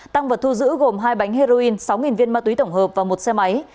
tăng vật thu giữ gồm hai bánh heroin sáu viên ma túy tổng hợp và một xe máy